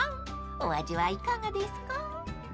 ［お味はいかがですか？］